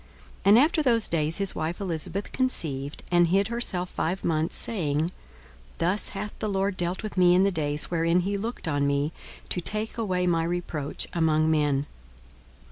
42:001:024 And after those days his wife Elisabeth conceived, and hid herself five months, saying, 42:001:025 Thus hath the Lord dealt with me in the days wherein he looked on me, to take away my reproach among men.